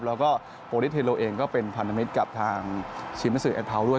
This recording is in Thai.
แล้วก็โปรดิเทโลเองก็เป็นพันธมิตกับทางชิมัสซึเอสพร้าวด้วย